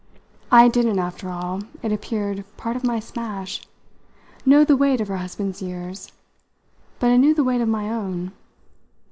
I didn't after all it appeared part of my smash know the weight of her husband's years, but I knew the weight of my own.